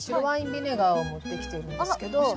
ビネガーを持ってきてるんですけど。